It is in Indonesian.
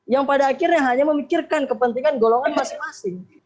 yang pada akhirnya hanya memikirkan kepentingan golongan masing masing